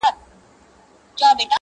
څه لښکر لښکر را ګورې څه نیزه نیزه ږغېږې